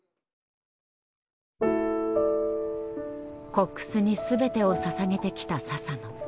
コックスに全てをささげてきた佐々野。